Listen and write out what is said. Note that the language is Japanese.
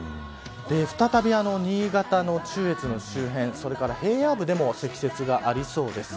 再び新潟の中越の周辺平野部でも積雪がありそうです。